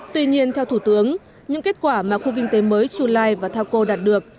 tuy nhiên theo thủ tướng những kết quả mà khu kinh tế mới chu lai và thao cô đạt được